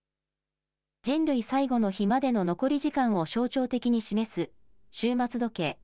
人類最後の日までの残り時間を象徴的に示す終末時計。